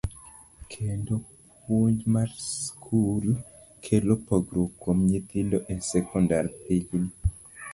kendo puonj mar skul kelo pogruok kuom nyithindo e sekondar pinyni.